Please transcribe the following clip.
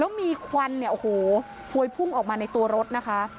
แล้วมีควันเนี่ยโอ้โหพวยพุ่งออกมาในตัวรถนะคะ